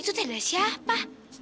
itu tenasnya apa